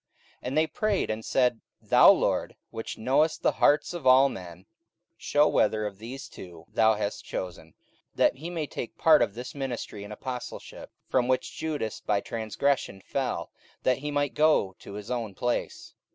44:001:024 And they prayed, and said, Thou, Lord, which knowest the hearts of all men, shew whether of these two thou hast chosen, 44:001:025 That he may take part of this ministry and apostleship, from which Judas by transgression fell, that he might go to his own place.